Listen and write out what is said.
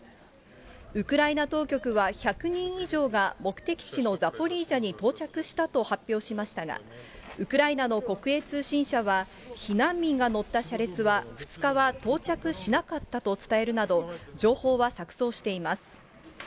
ウクライナ当局は、１００人以上が目的地のザポリージャに到着したと発表しましたが、ウクライナの国営通信社は、避難民が乗った車列は２日は到着しなかったと伝えるなど、情報は錯そうしています。